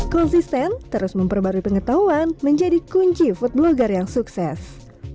konsisten terus memperbarui pengetahuan menjadi kunci food blogger yang sukses